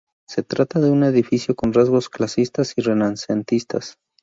Se trata de un edificio con rasgos clasicistas y renacentistas.